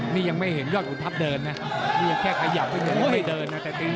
นี่ยังไม่เห็นย่อของของทัพเดินนี่แค่ขยับเท่านั้นแค่เดิน